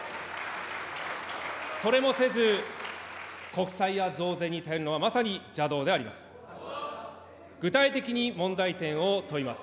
それもせず、国債や増税に頼るのは、まさに邪道であります。